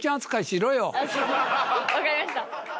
分かりました。